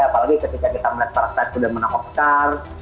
apalagi ketika kita melihat para star sudah menang oscar